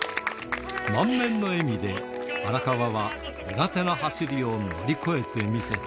満面の笑みで、荒川は苦手な走りを乗り越えて見せた。